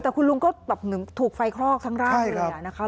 แต่คุณลุงก็ถูกไฟคลอกทั้งร่างเลย